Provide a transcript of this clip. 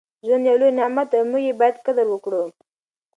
ژوند یو لوی نعمت دی او موږ یې باید قدر وکړو.